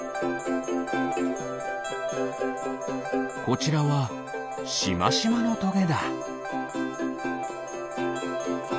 こちらはしましまのトゲだ。